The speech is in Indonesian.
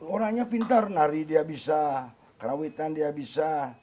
orangnya pintar nari dia bisa kerawitan dia bisa